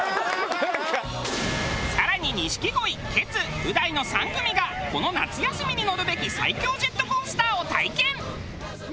更に錦鯉ケツう大の３組がこの夏休みに乗るべき最強ジェットコースターを体験。